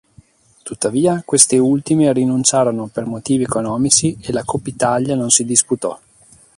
Tuttavia queste ultime rinunciarono per motivi economici e la Coppa Italia non si disputò.